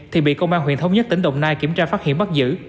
thì bị công an huyện thống nhất tỉnh đồng nai kiểm tra phát hiện bắt giữ